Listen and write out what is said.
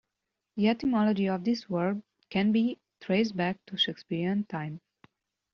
The etymology of this word can be traced back to Shakespearean times.